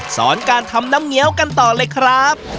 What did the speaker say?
สอนการทำน้ำเงี้ยวกันต่อเลยครับ